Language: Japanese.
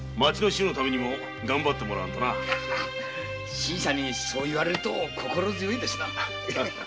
新さんにそう言われると心強いですな。